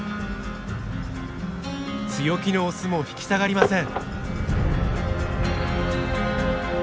強気のオスも引き下がりません。